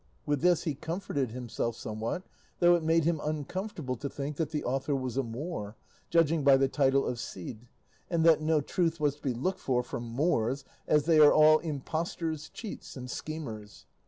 With this he comforted himself somewhat, though it made him uncomfortable to think that the author was a Moor, judging by the title of "Cide;" and that no truth was to be looked for from Moors, as they are all impostors, cheats, and schemers.